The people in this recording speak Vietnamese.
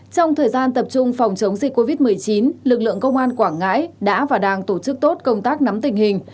trong thời gian tập trung phòng chống dịch covid một mươi chín lực lượng công an quảng ngãi đã và đang tổ chức tốt công tác nắm tình hình